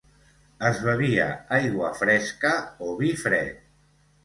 Es bevia aigua fresca o vi fred.